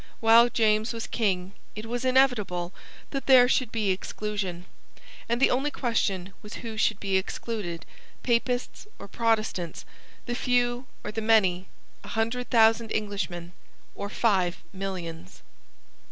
While James was King it was inevitable that there should be exclusion; and the only question was who should be excluded, Papists or Protestants, the few or the many, a hundred thousand Englishmen or five millions.